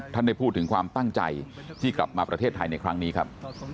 ได้พูดถึงความตั้งใจที่กลับมาประเทศไทยในครั้งนี้ครับ